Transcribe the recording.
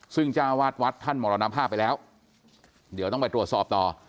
ซึ่งจ้าวาดวัดท่านมรณภาพไปแล้วเดี๋ยวต้องไปตรวจสอบต่อ